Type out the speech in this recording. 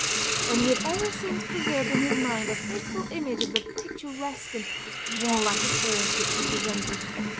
and he had ever since preserved in his mind a faithful image of the picturesque and warlike appearance which he presented.